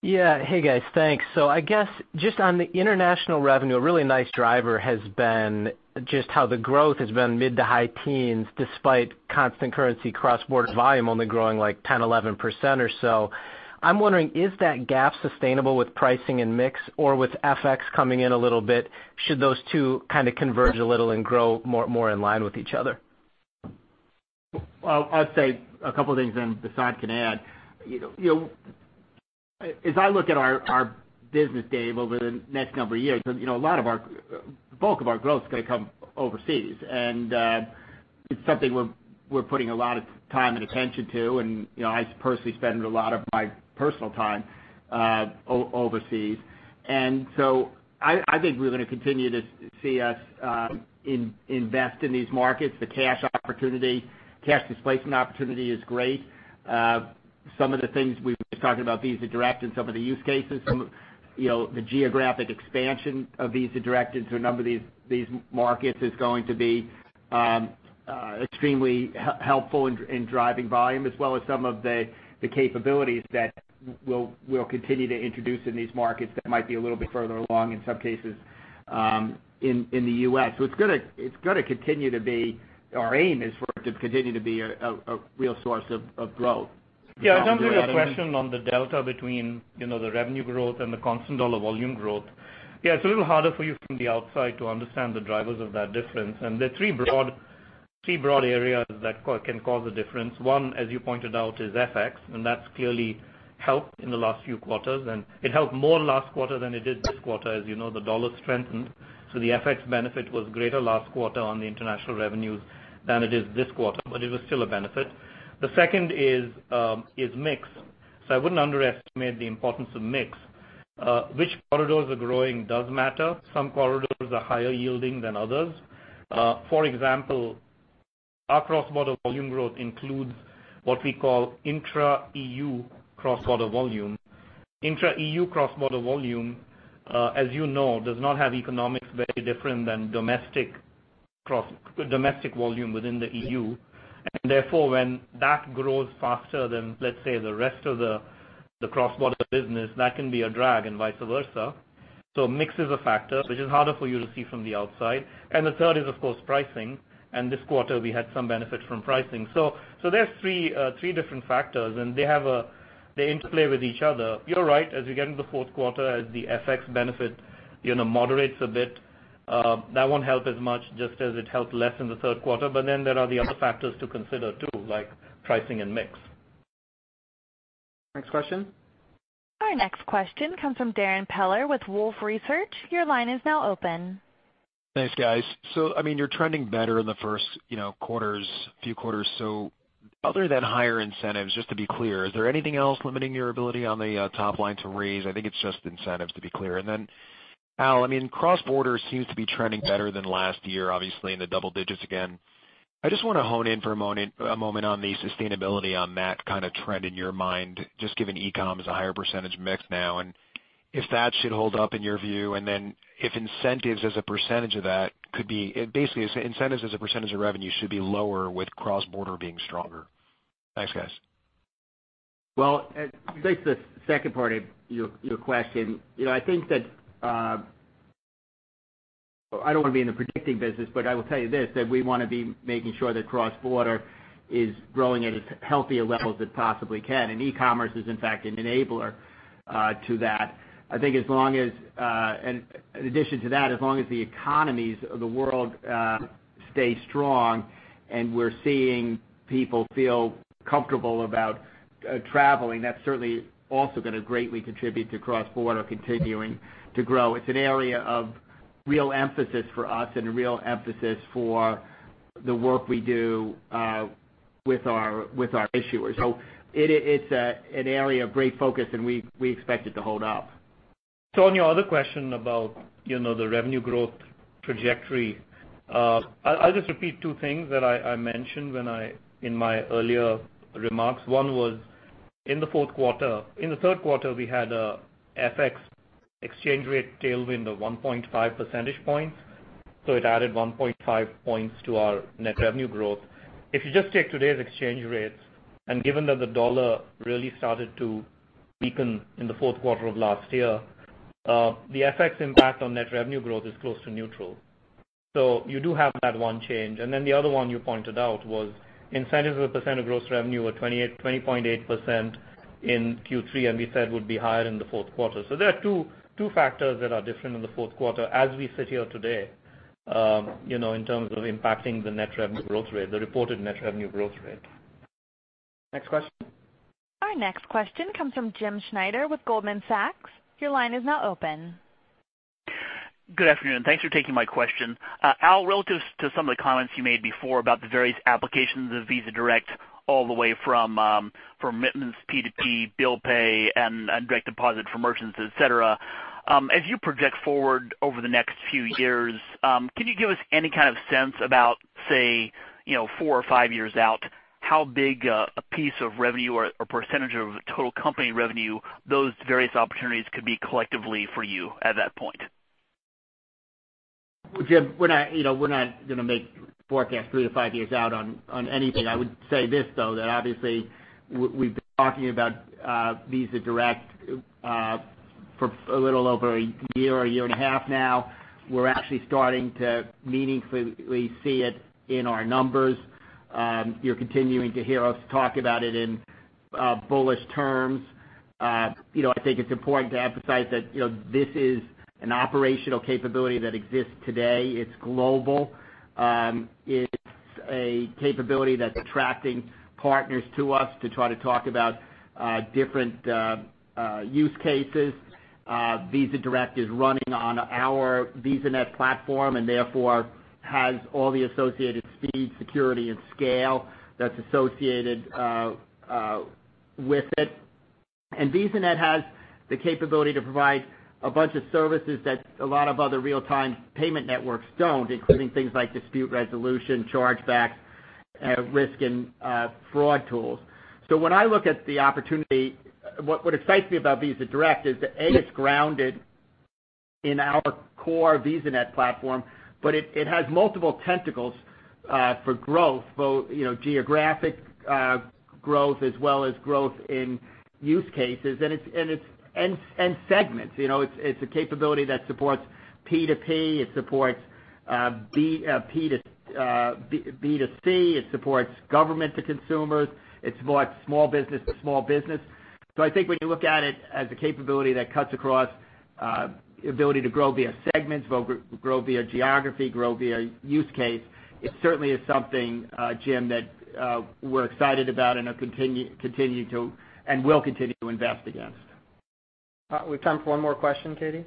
Yeah. Hey, guys. Thanks. I guess just on the international revenue, a really nice driver has been just how the growth has been mid to high teens despite constant currency cross-border volume only growing like 10%-11% or so. I'm wondering, is that gap sustainable with pricing and mix, or with FX coming in a little bit, should those two kind of converge a little and grow more in line with each other? Well, I'd say a couple things, then Vasant can add. As I look at our business, Dave, over the next number of years, the bulk of our growth is going to come overseas. It's something we're putting a lot of time and attention to, and I personally spend a lot of my personal time overseas. I think we're going to continue to see us invest in these markets. The cash displacement opportunity is great. Some of the things we were just talking about Visa Direct and some of the use cases, the geographic expansion of Visa Direct into a number of these markets is going to be extremely helpful in driving volume as well as some of the capabilities that we'll continue to introduce in these markets that might be a little bit further along in some cases in the U.S. Our aim is for it to continue to be a real source of growth. On your question on the delta between the revenue growth and the constant dollar volume growth. It's a little harder for you from the outside to understand the drivers of that difference, and there are three broad areas that can cause a difference. One, as you pointed out, is FX, and that's clearly helped in the last few quarters, and it helped more last quarter than it did this quarter. As you know, the dollar strengthened, so the FX benefit was greater last quarter on the international revenues than it is this quarter, but it was still a benefit. The second is mix. I wouldn't underestimate the importance of mix. Which corridors are growing does matter. Some corridors are higher yielding than others. For example, our cross-border volume growth includes what we call intra-EU cross-border volume. Intra-EU cross-border volume, as you know, does not have economics very different than domestic volume within the EU, and therefore, when that grows faster than, let's say, the rest of the cross-border business, that can be a drag, and vice versa. Mix is a factor, which is harder for you to see from the outside. The third is, of course, pricing, and this quarter, we had some benefit from pricing. There's three different factors, and they interplay with each other. You're right, as we get into the fourth quarter, as the FX benefit moderates a bit, that won't help as much just as it helped less in the third quarter. There are the other factors to consider, too, like pricing and mix. Next question. Our next question comes from Darrin Peller with Wolfe Research. Your line is now open. Thanks, guys. You're trending better in the first few quarters. Other than higher incentives, just to be clear, is there anything else limiting your ability on the top line to raise? I think it's just incentives to be clear. Al, cross-border seems to be trending better than last year, obviously in the double digits again. I just want to hone in for a moment on the sustainability on that kind of trend in your mind, just given e-com is a higher percentage mix now, and if that should hold up in your view, if incentives as a percentage of revenue should be lower with cross-border being stronger. Thanks, guys. Well, I think the second part of your question, I don't want to be in the predicting business, but I will tell you this, that we want to be making sure that cross-border is growing at as healthy a level as it possibly can. E-commerce is, in fact, an enabler to that. I think in addition to that, as long as the economies of the world stay strong and we're seeing people feel comfortable about traveling, that's certainly also going to greatly contribute to cross-border continuing to grow. It's an area of real emphasis for us and a real emphasis for the work we do with our issuers. It's an area of great focus, and we expect it to hold up. On your other question about the revenue growth trajectory, I'll just repeat two things that I mentioned in my earlier remarks. One was in the third quarter, we had a FX exchange rate tailwind of 1.5 percentage points, it added 1.5 points to our net revenue growth. If you just take today's exchange rates, given that the dollar really started to weaken in the fourth quarter of last year, the FX impact on net revenue growth is close to neutral. You do have that one change. The other one you pointed out was Incentives as a % of gross revenue were 20.8% in Q3, and we said would be higher in the fourth quarter. There are two factors that are different in the fourth quarter as we sit here today, in terms of impacting the net revenue growth rate, the reported net revenue growth rate. Next question. Our next question comes from James Schneider with Goldman Sachs. Your line is now open. Good afternoon. Thanks for taking my question. Al, relative to some of the comments you made before about the various applications of Visa Direct, all the way from commitments, P2P, bill pay, and direct deposit for merchants, et cetera. As you project forward over the next few years, can you give us any kind of sense about, say, four or five years out, how big a piece of revenue or percentage of the total company revenue those various opportunities could be collectively for you at that point? Jim, we're not going to make forecasts three to five years out on anything. I would say this, though, that obviously we've been talking about Visa Direct for a little over a year or a year and a half now. We're actually starting to meaningfully see it in our numbers. You're continuing to hear us talk about it in bullish terms. I think it's important to emphasize that this is an operational capability that exists today. It's global. It's a capability that's attracting partners to us to try to talk about different use cases. Visa Direct is running on our VisaNet platform, and therefore, has all the associated speed, security, and scale that's associated with it. VisaNet has the capability to provide a bunch of services that a lot of other real-time payment networks don't, including things like dispute resolution, chargebacks, risk, and fraud tools. When I look at the opportunity, what excites me about Visa Direct is that, A, it's grounded in our core VisaNet platform, but it has multiple tentacles for growth, both geographic growth as well as growth in use cases and segments. It's a capability that supports P2P, it supports B2C, it supports government to consumers, it supports small business to small business. I think when you look at it as a capability that cuts across ability to grow via segments, grow via geography, grow via use case, it certainly is something, Jim, that we're excited about and will continue to invest against. We have time for one more question, Katie.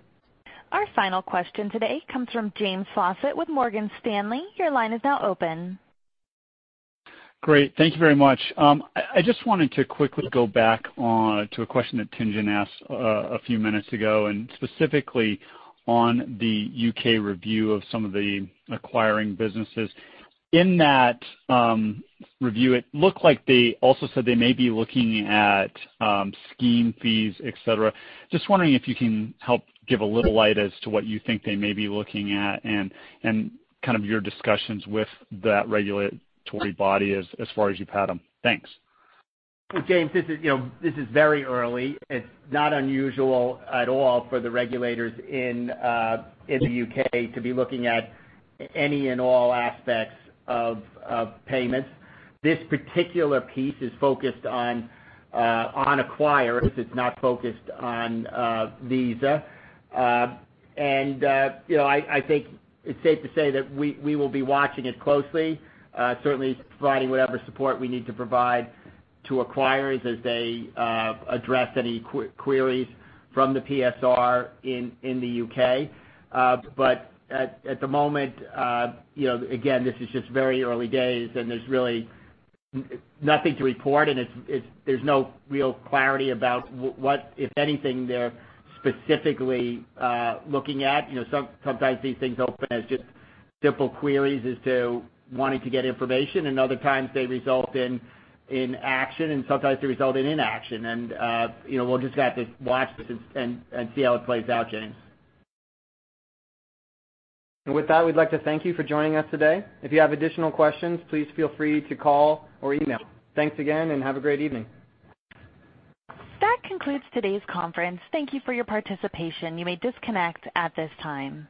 Our final question today comes from James Faucette with Morgan Stanley. Your line is now open. Great. Thank you very much. I just wanted to quickly go back to a question that Tien-Tsin asked a few minutes ago, and specifically on the U.K. review of some of the acquiring businesses. In that review, it looked like they also said they may be looking at scheme fees, et cetera. Just wondering if you can help give a little light as to what you think they may be looking at and kind of your discussions with that regulatory body as far as you've had them. Thanks. James, this is very early. It's not unusual at all for the regulators in the U.K. to be looking at any and all aspects of payments. This particular piece is focused on acquirers. It's not focused on Visa. I think it's safe to say that we will be watching it closely, certainly providing whatever support we need to provide to acquirers as they address any queries from the PSR in the U.K. At the moment, again, this is just very early days, and there's really nothing to report, and there's no real clarity about what, if anything, they're specifically looking at. Sometimes these things open as just simple queries as to wanting to get information, and other times they result in action, and sometimes they result in inaction. We'll just have to watch this and see how it plays out, James. With that, we'd like to thank you for joining us today. If you have additional questions, please feel free to call or email. Thanks again, and have a great evening. That concludes today's conference. Thank you for your participation. You may disconnect at this time.